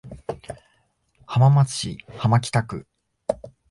浜松市浜北区